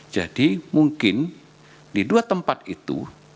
jadi mungkin di dua tempat itu